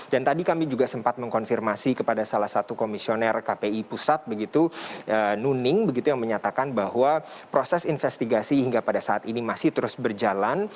dan tadi kami juga sempat mengkonfirmasi kepada salah satu komisioner kpi pusat begitu nuning begitu yang menyatakan bahwa proses investigasi hingga pada saat ini masih terus berjalan